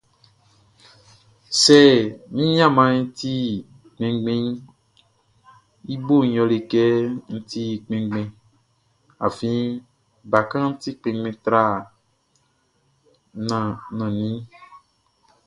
Sɛ min ɲinmaʼn ti kpinngbinʼn, i boʼn yɛle kɛ n ti kpinngbin, afin bakanʼn ti kpinngbin tra nanninʼn.